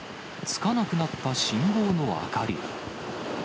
つかなくなった信号の明かり。